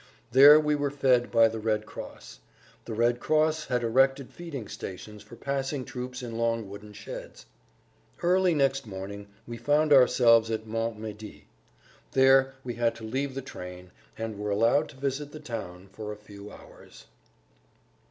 There we were fed by the Red Cross. The Red Cross had erected feeding stations for passing troops in long wooden sheds. Early next morning we found ourselves at Montmédy. There we had to leave the train, and were allowed to visit the town for a few hours.